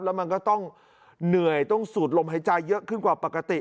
แล้วมันก็ต้องเหนื่อยต้องสูดลมหายใจเยอะขึ้นกว่าปกติ